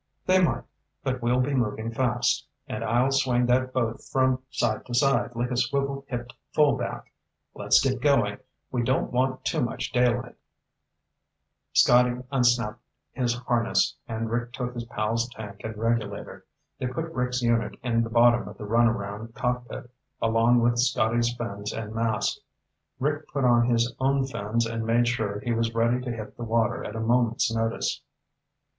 "They might. But we'll be moving fast, and I'll swing that boat from side to side like a swivel hipped fullback. Let's get going. We don't want too much daylight." Scotty unsnapped his harness and Rick took his pal's tank and regulator. They put Rick's unit in the bottom of the runabout cockpit, along with Scotty's fins and mask. Rick put on his own fins and made sure he was ready to hit the water at a moment's notice.